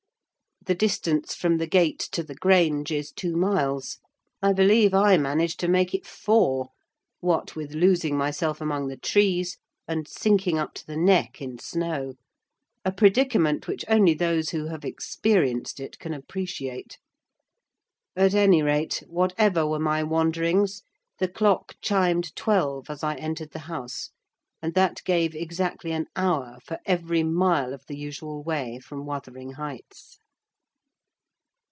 The distance from the gate to the Grange is two miles; I believe I managed to make it four, what with losing myself among the trees, and sinking up to the neck in snow: a predicament which only those who have experienced it can appreciate. At any rate, whatever were my wanderings, the clock chimed twelve as I entered the house; and that gave exactly an hour for every mile of the usual way from Wuthering Heights.